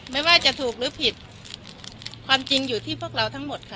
ไม่ว่าจะถูกหรือผิดความจริงอยู่ที่พวกเราทั้งหมดค่ะ